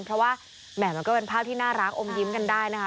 เพราะว่าแหม่มันก็เป็นภาพที่น่ารักอมยิ้มกันได้นะคะ